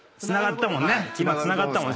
つながったもんね。